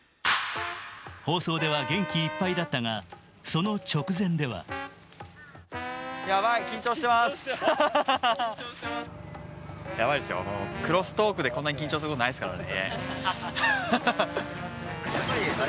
放送では元気いっぱいだったが、その直前ではクロストークでこんな緊張することないですからね。